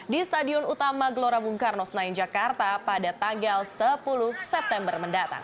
di stadion utama gelora bung karno senayan jakarta pada tanggal sepuluh september mendatang